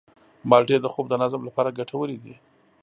مالټې د خوب د نظم لپاره ګټورې دي.